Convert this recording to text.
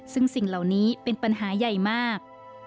ซึ่งสิ่งเหล่านี้เป็นปัญหาใหญ่มาก